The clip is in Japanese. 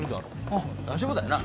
うん大丈夫だよな。